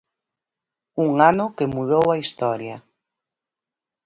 Un ano que mudou a historia.